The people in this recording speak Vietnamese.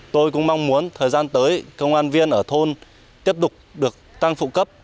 tôi cũng mong muốn thời gian tới công an viên ở thôn tiếp tục được tăng phụ cấp